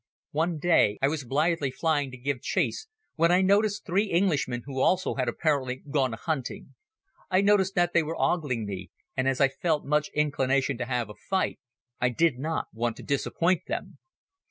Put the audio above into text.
One day I was blithely flying to give chase when I noticed three Englishmen who also had apparently gone a hunting. I noticed that they were ogling me and as I felt much inclination to have a fight I did not want to disappoint them.